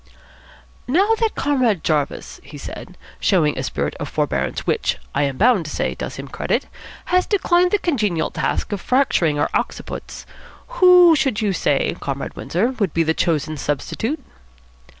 "Now that Comrade Jarvis," he said, "showing a spirit of forbearance which, I am bound to say, does him credit, has declined the congenial task of fracturing our occiputs, who should you say, Comrade Windsor, would be the chosen substitute?"